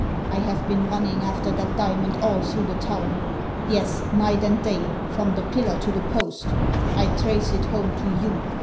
" I have been running after that diamond all through the town — yes, night and day — from the pillar to the post I trace it home to you.